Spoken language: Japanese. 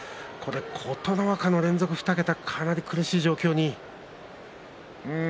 琴ノ若の連続２桁はかなり苦しい状況になりました。